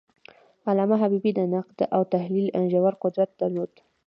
علامه حبیبي د نقد او تحلیل ژور قدرت درلود.